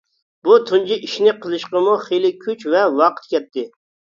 بۇ تۇنجى ئىشنى قىلىشقىمۇ خېلى كۈچ ۋە ۋاقىت كەتتى.